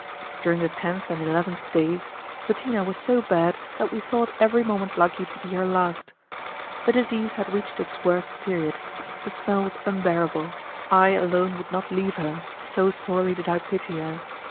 During the tenth and eleventh days, Bettina was so bad that we thought every moment likely to be her last. The disease had reached its worst period; the smell was unbearable; I alone would not leave her, so sorely did I pity her.